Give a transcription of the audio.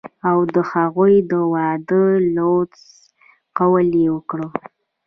او د هغوي د وادۀ لوظ قول يې وکړۀ